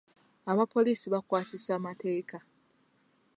Abapoliisi bakwasisa mateeka.